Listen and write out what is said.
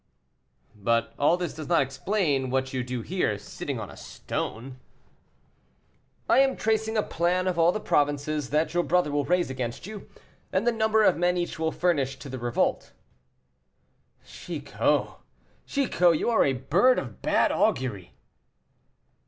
"But all this does not explain what you do here, sitting on a stone." "I am tracing a plan of all the provinces that your brother will raise against you, and the number of men each will furnish to the revolt." "Chicot, Chicot, you are a bird of bad augury."